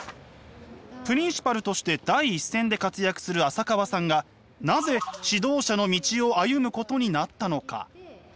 プリンシパルとして第一線で活躍する浅川さんがなぜ指導者の道を歩むことになったのか？